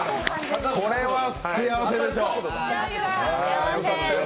これは幸せでしょう！